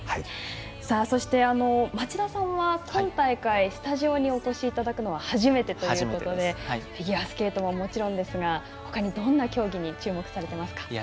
そして、町田さんは今大会スタジオにお越しいただくのは初めてということでフィギュアスケートはもちろんほかにどんな競技に注目されていますか？